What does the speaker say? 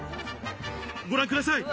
ご覧ください。